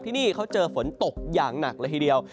ที่นี่เขาเจอฝนตกอย่างหนักเลยทีเดียว